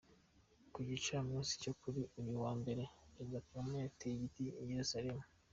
Ku Gicamunsi cyo kuri uyu wa mbere, Perezida Kagame yateye igiti i Yeruzalemu.